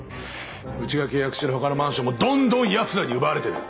うちが契約してるほかのマンションもどんどんヤツらに奪われてる。